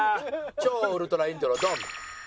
超ウルトライントロドン。